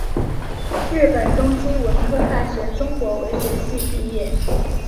日本东京文科大学中国文学系毕业。